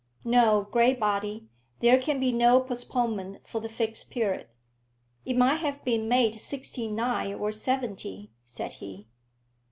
No, Graybody; there can be no postponement for the Fixed Period." "It might have been made sixty nine or seventy," said he.